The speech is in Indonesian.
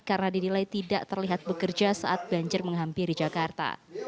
karena dinilai tidak terlihat bekerja saat banjir menghampiri jakarta